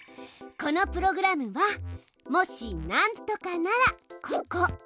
このプログラムはもし何とかならここ。